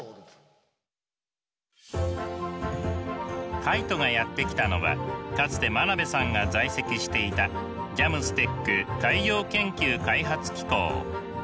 カイトがやって来たのはかつて真鍋さんが在籍していたＪＡＭＳＴＥＣ海洋研究開発機構。